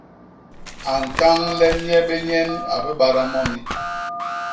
A ntañ le nye bé nyen a bibada moni.